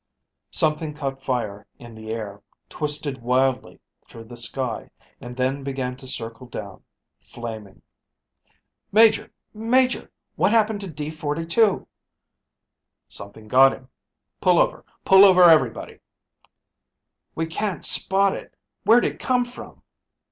Something caught fire in the air, twisted wildly through the sky, and then began to circle down, flaming. "Major! Major! What happened to D 42?" "Something got him. Pull over. Pull over everybody!" "We can't spot it. Where'd it come from?"